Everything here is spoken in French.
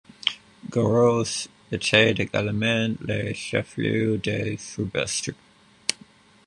Garos était également le chef-lieu du Soubestre.